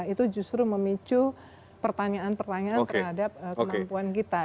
itu justru memicu pertanyaan pertanyaan terhadap kemampuan kita